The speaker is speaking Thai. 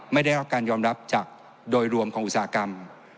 ไม่ได้รับการยอมรับจากโดยรวมของอุตสาหกรรม